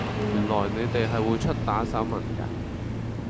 原來你哋係會出打手文架